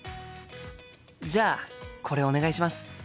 じゃあこれお願いします。